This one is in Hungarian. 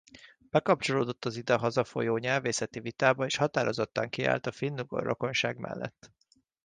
Bekapcsolódott az idehaza folyó nyelvészeti vitába és határozottan kiállt a finnugor rokonság mellett.